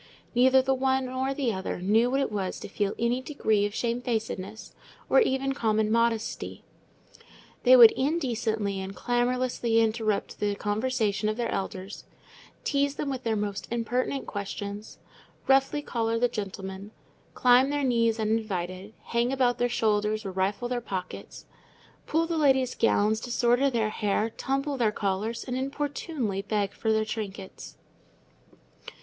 Neither the one nor the other knew what it was to feel any degree of shamefacedness, or even common modesty. They would indecently and clamorously interrupt the conversation of their elders, tease them with the most impertinent questions, roughly collar the gentlemen, climb their knees uninvited, hang about their shoulders or rifle their pockets, pull the ladies' gowns, disorder their hair, tumble their collars, and importunately beg for their trinkets.